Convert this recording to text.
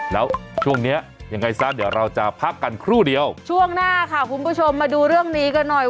แล้วช่วงนี้ยังไงซะเดี๋ยวเราจะพักกันครู่เดียวช่วงหน้าค่ะคุณผู้ชมมาดูเรื่องนี้กันหน่อย